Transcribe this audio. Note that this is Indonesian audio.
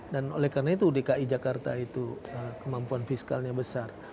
dan oleh karena itu dki jakarta itu kemampuan fiskalnya besar